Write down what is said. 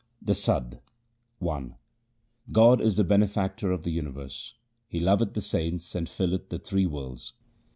THE SADD I God is the Benefactor of the Universe ; He loveth the saints and filleth the three worlds.